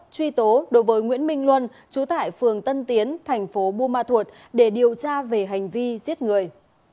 truy tố đối với nguyễn minh luân chú tại phường tân tiến thành phố buôn ma thuột để điều tra về hành vi giết người